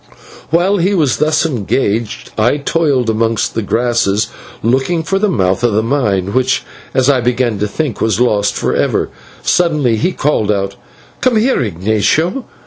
While he was thus engaged, and I toiled amongst the grasses looking for the mouth of the mine, which, as I began to think, was lost forever, suddenly he called out, "Come here, Ignatio.